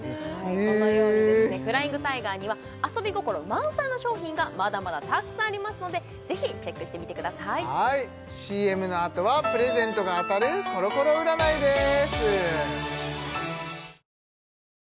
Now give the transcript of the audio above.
このようにフライングタイガーには遊び心満載の商品がまだまだたくさんありますのでぜひチェックしてみてくださいＣＭのあとはプレゼントが当たるコロコロ占いです